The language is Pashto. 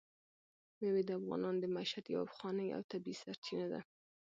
مېوې د افغانانو د معیشت یوه پخوانۍ او طبیعي سرچینه ده.